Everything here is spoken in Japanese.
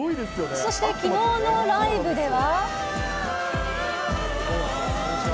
そしてきのうのライブでは。